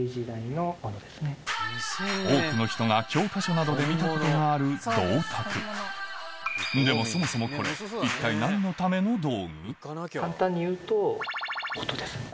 多くの人が教科書などで見たことがある銅鐸でもそもそもこれ一体簡単に言うと。